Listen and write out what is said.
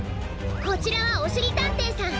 こちらはおしりたんていさん。